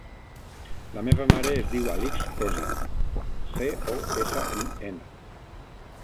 La meva mare es diu Alix Cosin: ce, o, essa, i, ena.